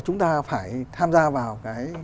chúng ta phải tham gia vào